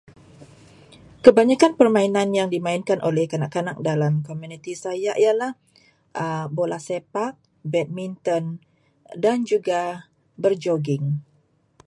Kebanyakan permainan yang dimainkan oleh kanak-kanak dalam komuniti saya adalah bola sepak, badminton dan juga berjoging.